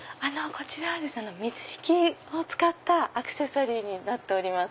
こちらは水引を使ったアクセサリーになっております。